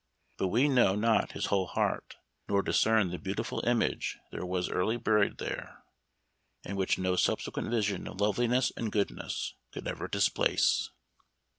But we know not his whole heart, nor discern the beautiful image that was early buried there, and which no sub sequent vision of loveliness and goodness could ever displace.